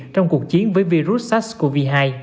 trong cuộc chiến với virus sars cov hai